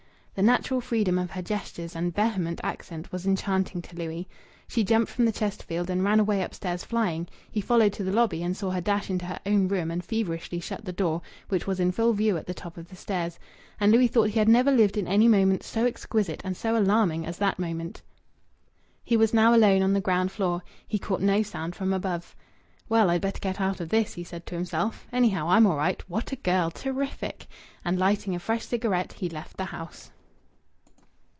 The natural freedom of her gestures and vehement accent was enchanting to Louis. She jumped from the Chesterfield and ran away upstairs, flying. He followed to the lobby, and saw her dash into her own room and feverishly shut the door, which was in full view at the top of the stairs. And Louis thought he had never lived in any moment so exquisite and so alarming as that moment. He was now alone on the ground floor. He caught no sound from above. "Well, I'd better get out of this," he said to himself. "Anyhow, I'm all right!... What a girl! Terrific!" And, lighting a fresh cigarette, he left the house.